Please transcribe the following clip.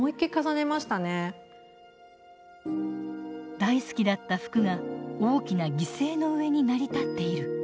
大好きだった服が大きな犠牲の上に成り立っている。